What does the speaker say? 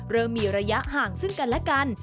เริ่มมีระยะห่างซึ่งกันและกัน